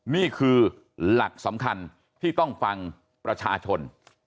นี่คือหลักสำคัญที่ต้องฟังประชาชน